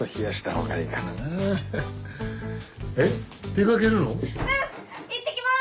うんいってきます！